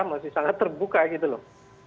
masih sangat terbuka gitu loh